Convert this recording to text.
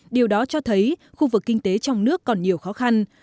điều đó cho thấy khu vực kinh tế trong nước còn nhiều khó khăn